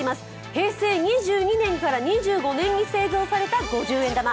平成２２年から２５年に製造された五十円玉。